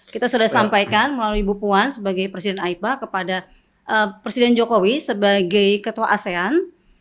kita sudah sampaikan melalui bu puan sebagai presiden aipa kepada presiden jokowi sebagai ketua asean